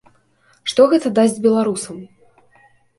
Што гэта дасць беларусам?